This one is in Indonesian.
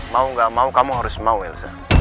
mau gak mau kamu harus mau elza